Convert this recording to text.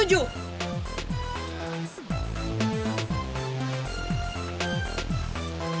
kamu hantar sampai depan ya